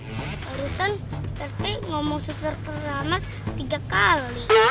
harusan pak rete ngomong susur keramas tiga kali